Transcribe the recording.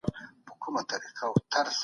ارزیابي د علمي څېړني مهم پړاو ګڼل کیږي.